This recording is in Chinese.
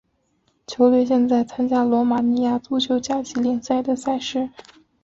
球队现在参加罗马尼亚足球甲级联赛的赛事。